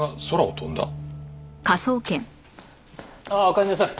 ああおかえりなさい。